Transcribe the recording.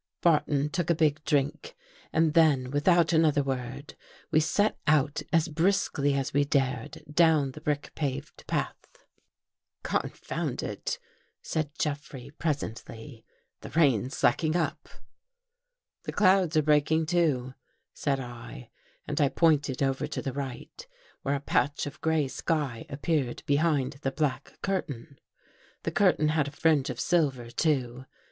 I Barton took a big drink and then, without another || word, we set out as briskly as we dared down the ii brick paved path. I; " Confound it," said Jeffrey presently, " the rain's j slacking up." ■" The clouds are breaking, too," said I, and I | pointed over to the right where a patch of gray sky i appeared behind the black curtain. The curtain j had a fringe of silver, too.